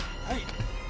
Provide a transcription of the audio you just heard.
はい。